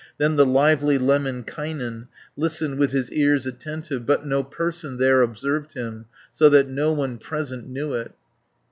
Then the lively Lemminkainen Listened with his ears attentive But no person there observed him, So that no one present knew it.